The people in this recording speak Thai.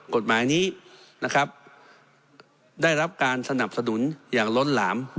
กฎหมายนี้นะครับได้รับการสนับสนุนอย่างล้นหลาม